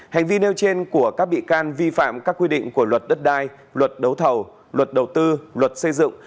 hành vi nêu trên của các bị can vi phạm các quy định của luật đất đai luật đấu thầu luật đầu tư luật xây dựng